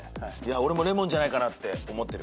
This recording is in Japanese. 俺もレモンじゃないかなって思ってる。